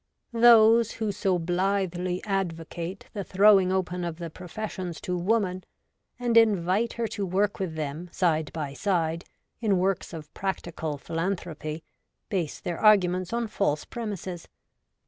Those who so blithely advocate the throwing open of the professions to woman, and invite her to work with them, side by side, in works of practical philanthropy, base their arguments on false pre mises.